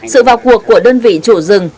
sự vào cuộc của đơn vị chủ rừng